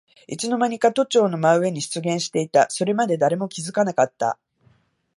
いつのまにか都庁の真上に出現していた。それまで誰も気づかなかった。